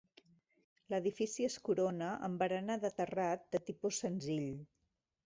L'edifici es corona amb barana de terrat de tipus senzill.